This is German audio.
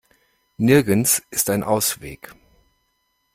Nirgends ist ein Ausweg.